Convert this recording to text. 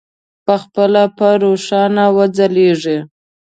پخپله به روښانه وځلېږي.